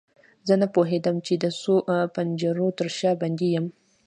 زه نه پوهیدم چې د څو پنجرو تر شا بندي یم.